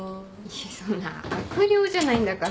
そんな悪霊じゃないんだから。